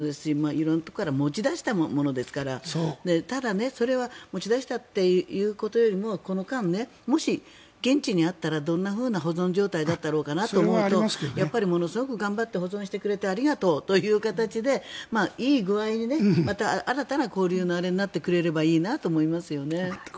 結局、当時アジアからもそうですし色んなところから持ち出したものですからただ、それは持ち出したっていうことよりもこの間、もし現地にあったらどんなふうな保存状態だったろうかなと思うとやっぱりものすごく頑張って保存してくれてありがとうといい具合にまた新たな交流のあれになってくれればなと思いますよね。